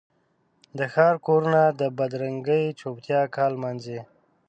د ښار کورونه د بدرنګې چوپتیا کال نمانځي